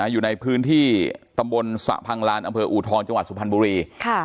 อยู่ในพื้นที่ตำบลสระพังลานอำเภออูทองจังหวัดสุพรรณบุรี